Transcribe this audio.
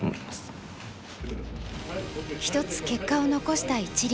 一つ結果を残した一力。